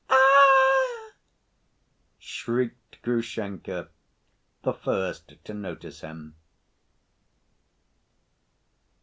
"Aie!" shrieked Grushenka, the first to notice him.